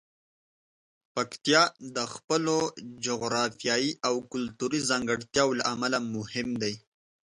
پکتیا د خپلو جغرافیايي او کلتوري ځانګړتیاوو له امله مهم دی.